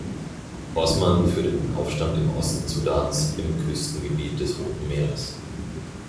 Osman führte den Aufstand im Osten Sudans im Küstengebiet des Roten Meeres.